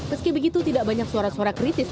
meski begitu tidak banyak suara suara kritis